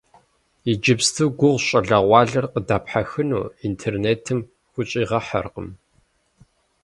Иджыпсту гугъущ щӏалэгъуалэр къыдэпхьэхыну, интернетым хущӀигъэхьэркъым.